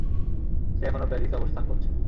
সে এখনো প্যারিসে অবস্থান করছে।